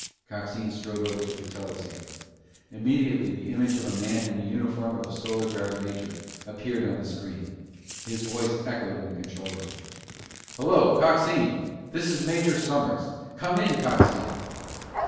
Coxine strode over to the teleceiver. Immediately the image of a man in the uniform of a Solar Guard major appeared on the screen. His voice echoed in the control room. "Hello, Coxine! This is Major Sommers! Come in, Coxine!"